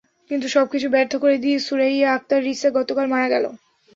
কিন্তু সবকিছু ব্যর্থ করে দিয়ে সুরাইয়া আক্তার রিসা গতকাল মারা গেল।